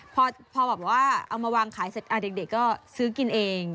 พอแบบว่าเอามาวางขายเสร็จเด็กก็ซื้อกินเอง